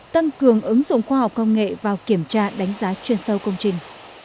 tăng cường ứng dụng khoa học công nghệ vào kiểm tra đánh giá chuyên sâu công trình